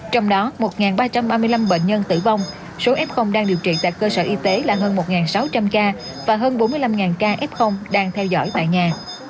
trong đó một ba trăm ba mươi năm bệnh nhân tử vong số f đang điều trị tại cơ sở y tế là hơn một sáu trăm linh ca và hơn bốn mươi năm ca f đang theo dõi tại nhà